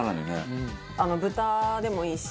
豚でもいいし。